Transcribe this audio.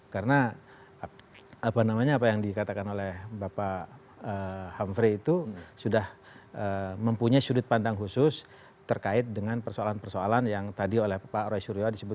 karena apa namanya apa yang dikatakan oleh bapak amri itu sudah mempunyai sudut pandang khusus terkait dengan persoalan persoalan yang tadi oleh pak roy suryo disebut